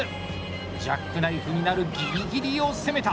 ジャックナイフになるぎりぎりを攻めた。